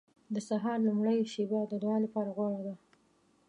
• د سهار لومړۍ شېبه د دعا لپاره غوره ده.